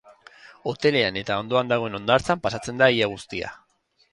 Hotelean eta ondoan dagoen hondartzan pasatzen da ia guztia.